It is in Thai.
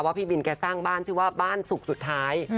พี่บินแกสร้างบ้านชื่อว่าบ้านสุขสุดท้าย